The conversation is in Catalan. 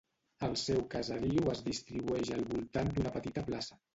El seu caseriu es distribueix al voltant d'una petita plaça.